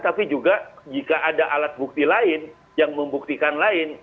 tapi juga jika ada alat bukti lain yang membuktikan lain